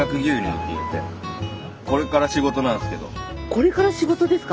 これから仕事ですか？